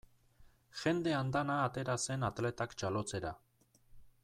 Jende andana atera zen atletak txalotzera.